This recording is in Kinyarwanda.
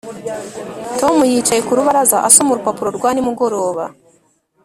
tom yicaye ku rubaraza, asoma urupapuro rwa nimugoroba.